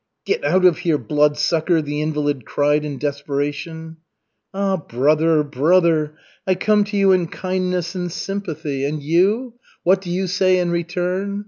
"Get out of here, Bloodsucker!" the invalid cried in desperation. "Ah, brother, brother! I come to you in kindness and sympathy, and you ... what do you say in return?